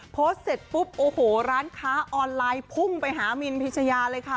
โพสต์เสร็จปุ๊บโอ้โหร้านค้าออนไลน์พุ่งไปหามินพิชยาเลยค่ะ